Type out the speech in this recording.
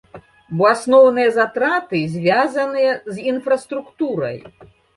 Бо асноўныя затраты звязаныя з інфраструктурай.